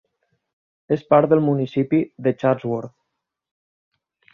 És part del municipi de Chatsworth.